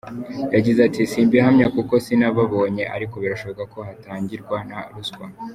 Yagize ati “Simbihamya kuko sinababonye ariko birashoboka ko hatangirwa na ruswa.